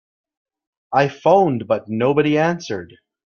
I phoned but nobody answered.